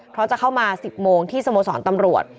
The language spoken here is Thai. เพราะจะเข้ามา๑๐โมงที่สโมสรตำรวจ